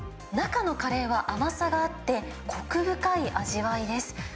中のカレーは甘さがあって、こく深い味わいです。